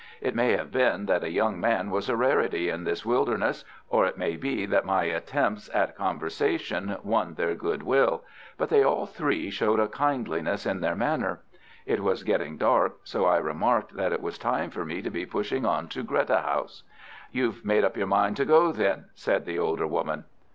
It may have been that a young man was a rarity in this wilderness, or it may be that my attempts at conversation won their goodwill, but they all three showed a kindliness in their manner. It was getting dark, so I remarked that it was time for me to be pushing on to Greta House. "You've made up your mind to go, then?" said the older woman.